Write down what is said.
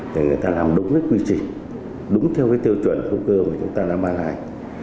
để người ta làm đúng quy trình đúng theo tiêu chuẩn hữu cơ mà chúng ta đã ban hành